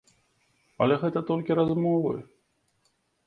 Але гэта толькі размовы.